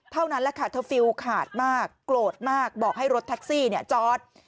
เท่านั้นแหละค่ะเธอฟิลขาดมากโกรธมากบอกให้รถแท็กซี่จอด